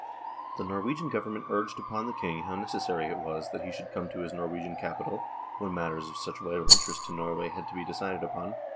The Norwegian Government urged upon the King how necessary it was that he should come to his Norwegian capital when matters of such vital interests to Norway had to be decided upon.